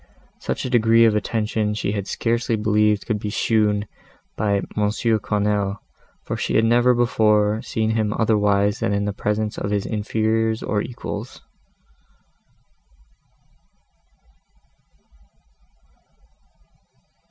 Such a degree of attention she had scarcely believed could be shown by M. Quesnel, for she had never before seen him otherwise than in the presence of his inferiors or equals.